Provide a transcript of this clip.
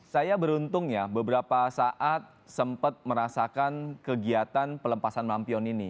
saya beruntung ya beberapa saat sempat merasakan kegiatan pelepasan lampion ini